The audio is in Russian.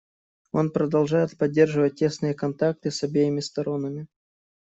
Он продолжает поддерживать тесные контакты с обеими сторонами.